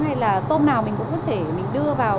hay là tôm nào mình cũng có thể mình đưa vào